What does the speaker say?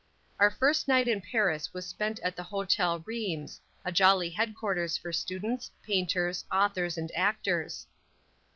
Our first night in Paris was spent at the Hotel Reims, a jolly headquarters for students, painters, authors and actors.